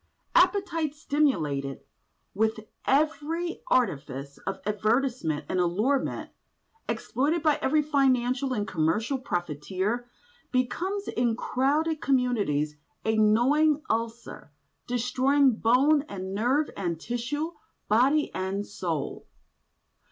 Appetite, stimulated with every artifice of advertisement and allurement, exploited by every financial and commercial profiteer, becomes in crowded communities a gnawing ulcer, destroying bone and nerve and tissue, body and soul.